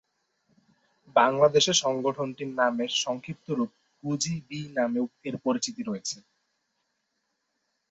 বাংলাদেশে সংগঠনটির নামের সংক্ষিপ্ত রূপ হুজি-বি নামেও এর পরিচিতি রয়েছে।